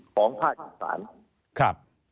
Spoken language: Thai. ของภาคศาล